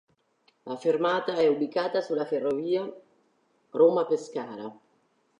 La fermata è ubicata sulla ferrovia Roma-Pescara.